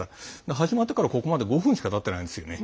始まってから、ここまで５分しかたってないんですよね。